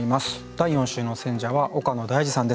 第４週の選者は岡野大嗣さんです。